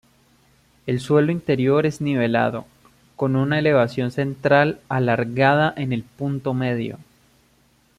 El suelo interior es nivelado, con una elevación central alargada en el punto medio.